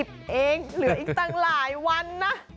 วันที่๑๐เองหลืออีกตั้งหลายวันนะ